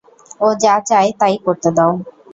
ও যা চায় তা-ই করতে দাও।